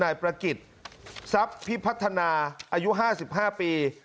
นายประกิจทรัพย์พิพัฒนาอายุห้าสิบห้าปี